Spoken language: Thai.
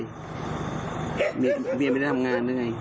เมียปังกัดไม่ได้ทำงานตรงนั้นไง